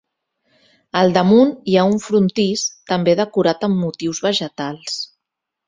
Al damunt hi ha un frontis, també decorat amb motius vegetals.